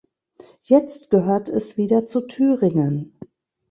Jetzt gehört es wieder zu Thüringen.